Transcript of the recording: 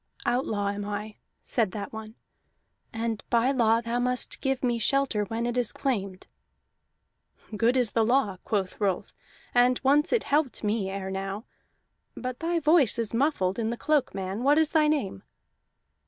"Outlaw am I," said that one, "and by law thou must give me shelter when it is claimed." "Good is the law," quoth Rolf, "and once it helped me ere now. But thy voice is muffled in the cloak, man. What is thy name?"